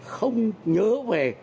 không nhớ về